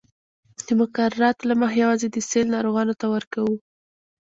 د مقرراتو له مخې یوازې د سِل ناروغانو ته ورکوو.